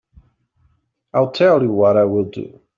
I'll tell you what I'll do.